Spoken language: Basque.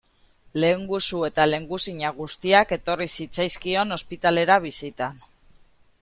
Lehengusu eta lehengusina guztiak etorri zitzaizkion ospitalera bisitan.